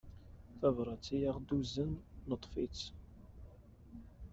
Tabrat i aɣ-d-tuzen neṭṭef-tt.